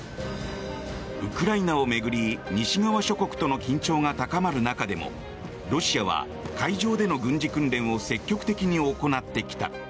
ウクライナを巡り西側諸国との緊張が高まる中でもロシアは海上での軍事訓練を積極的に行ってきた。